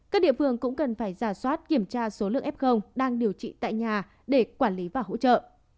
các địa phương cũng cần phải giả soát kiểm tra số lượng f đang điều trị tại nhà để quản lý và hỗ trợ